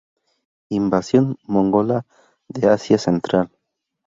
Invasión mongola de Asia Central